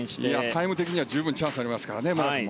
タイム的には十分、チャンスがありますね。